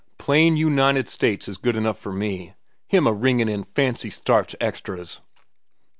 Plain United States is good enough for me. Him a ringin' in fancy starch extras!"